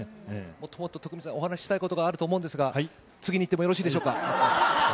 もっともっと徳光さん、お話したいことあると思うんですが、次にいってもよろしいでしょうか。